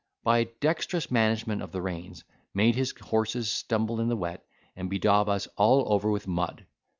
by a dexterous management of the reins made his horses stumble in the wet, and bedaub us all over with mud.